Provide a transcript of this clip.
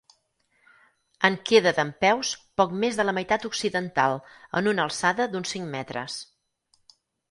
En queda dempeus poc més de la meitat occidental, en una alçada d'uns cinc metres.